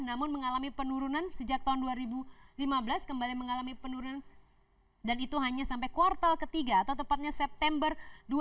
namun mengalami penurunan sejak tahun dua ribu lima belas kembali mengalami penurunan dan itu hanya sampai kuartal ketiga atau tepatnya september dua ribu delapan belas